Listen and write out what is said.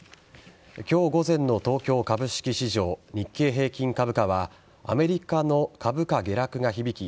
今日午前の東京株式市場日経平均株価はアメリカの株価下落が響き